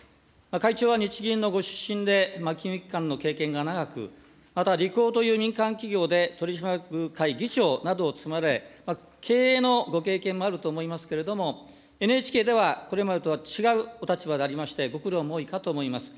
会長は日銀のご出身で、金融機関の経験が長く、またリコーという民間企業で取締役会議長などを務められ、経営のご経験もあると思いますけれども、ＮＨＫでは、これまでとは違うお立場でありまして、ご苦労も多いかと思います。